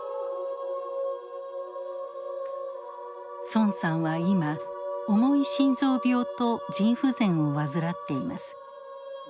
孫さんは今重い心臓病と腎不全を患っています。